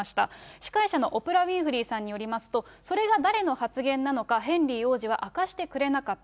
司会者のオプラ・ウィンフリーさんによりますと、それが誰の発言なのか、ヘンリー王子は明かしてくれなかった。